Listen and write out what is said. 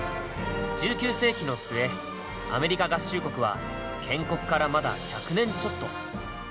１９世紀の末アメリカ合衆国は建国からまだ１００年ちょっと。